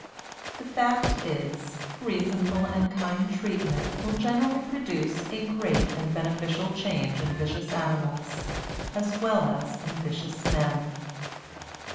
The fact is, reasonable and kind treatment will generally produce a great and beneficial change in vicious animals as well as in vicious men.